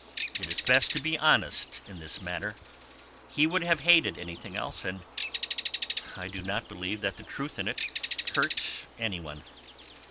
It is best to be honest in this matter; he would have hated anything else, and I do not believe that the truth in it can hurt any one.